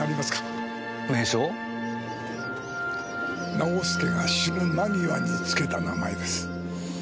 直輔が死ぬ間際に付けた名前です。